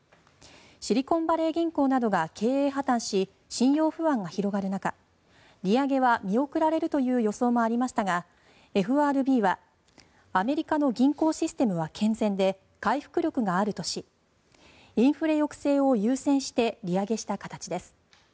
シリコンバレー銀行などが経営破たんし信用不安が広がる中利上げは見送られるという予想もありましたがＦＲＢはアメリカの銀行システムは健全で回復力があるとしインフレ抑制を優先して利上げした形です。